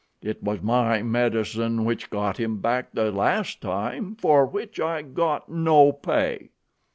It was my medicine which got him back the last time, for which I got no pay."